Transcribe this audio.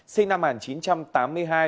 sinh năm một nghìn chín trăm tám mươi hai